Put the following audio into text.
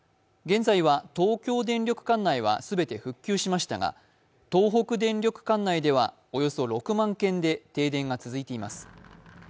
現在は東京電力管内はすべて復旧しましたが、東北電力管内では、およそ６万軒で停電が続いています。